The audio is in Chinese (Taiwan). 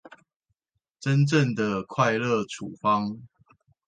真正的快樂處方